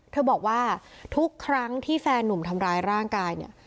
เธอบอกว่าทุกครั้งที่แฟนหนุ่มทำร้ายร่างกายเนี่ย